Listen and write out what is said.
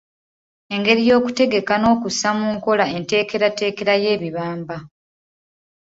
Engeri y'okutegeka n'okussa mu nkola enteekerateekera y'ebibamba.